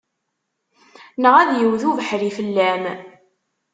Neɣ ad yewwet ubeḥri fell-am.